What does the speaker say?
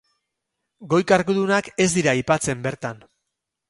Goi-kargudunak ez dira aipatzen bertan.